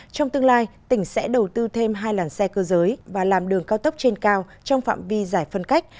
trong tương lai tỉnh sẽ đầu tư thêm hai làn xe cơ giới và làm đường cao tốc trên cao trong phạm vi giải phân cách